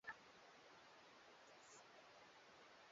zinaweza kuathiri jinsi mtu anavyoshughulikia chanzo cha uchafuzi